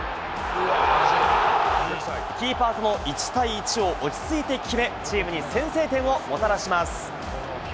キーパーとの１対１を落ち着いて決め、チームに先制点をもたらします。